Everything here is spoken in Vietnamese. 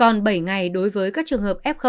còn bảy ngày đối với các trường hợp f